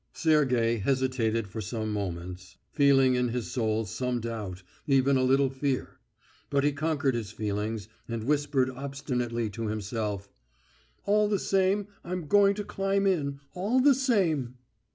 Sergey hesitated for some moments, feeling in his soul some doubt, even a little fear. But he conquered his feelings and whispered obstinately to himself: "All the same; I'm going to climb in, all the same!"